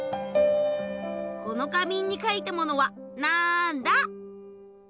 この花瓶にかいたものはなんだ？